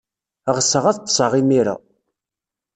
Ɣseɣ ad ḍḍseɣ imir-a.